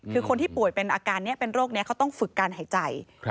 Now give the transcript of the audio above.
คือคนที่ป่วยเป็นอาการนี้เป็นโรคนี้เขาต้องฝึกการหายใจ